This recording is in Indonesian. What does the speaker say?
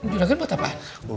juragan buat apaan